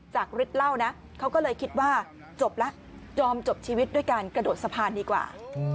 ฤทธิ์เล่านะเขาก็เลยคิดว่าจบแล้วยอมจบชีวิตด้วยการกระโดดสะพานดีกว่า